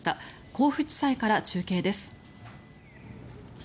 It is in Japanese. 甲府地裁から中継です。